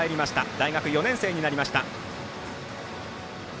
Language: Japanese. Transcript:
大学４年生になりました。